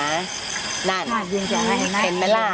นั่นเห็นไหมล่ะถ้ายิงแสงใส่